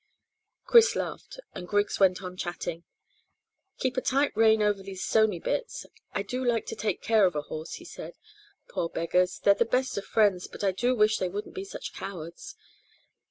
Chris laughed, and Griggs went on chatting. "Keep a tight rein over these stony bits. I do like to take care of a horse," he said. "Poor beggars, they're the best of friends, but I do wish they wouldn't be such cowards.